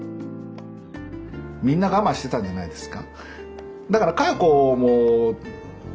みんな我慢してたんじゃないですか。